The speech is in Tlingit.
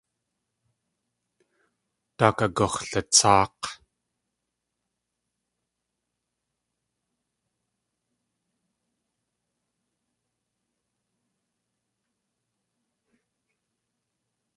Daak agux̲latsáak̲.